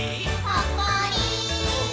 ほっこり。